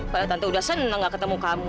pada tante sudah senang tidak ketemu kamu